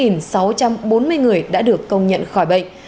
một trăm bảy mươi chín sáu trăm bốn mươi người đã được công nhận khỏi bệnh